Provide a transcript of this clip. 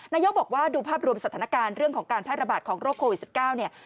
นายกบอกว่าดูภาพรวมสถานการณ์เรื่องของการแพร่ระบาดของโรคโควิด๑๙เนี่ย